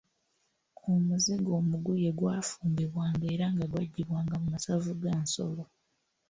Omuzigo omuguye gwafumbibwanga era nga gwaggyibwanga mu masavu ga nsolo.